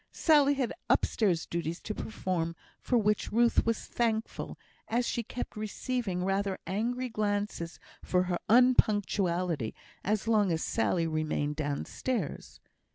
Sally had upstairs duties to perform, for which Ruth was thankful, as she kept receiving rather angry glances for her unpunctuality as long as Sally remained downstairs.